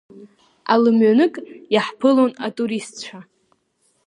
Алымҩанык иаҳԥылон атуристцәа.